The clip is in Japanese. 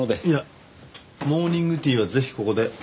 いやモーニングティーはぜひここで。